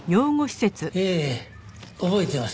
ええ覚えてます。